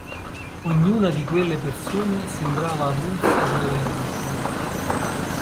Ognuna di quelle persone sembrava avulsa dalle altre.